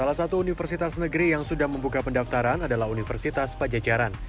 salah satu universitas negeri yang sudah membuka pendaftaran adalah universitas pajajaran